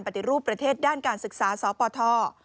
ปฏิรูปประเทศด้านการศึกษาสปท